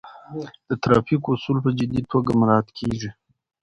د ترافیک اصول په جدي توګه مراعات کیږي.